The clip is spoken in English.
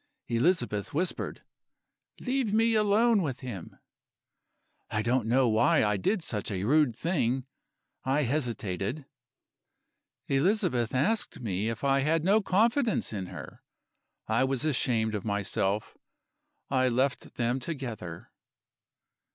"Elizabeth whispered: 'Leave me alone with him.' "I don't know why I did such a rude thing I hesitated. "Elizabeth asked me if I had no confidence in her. I was ashamed of myself; I left them together.